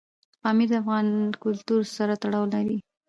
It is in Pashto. پامیر د افغان کلتور سره تړاو لري.